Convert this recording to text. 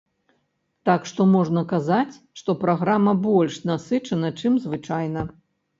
Так што можна казаць, што праграма больш насычана, чым звычайна.